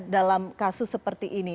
dalam kasus seperti ini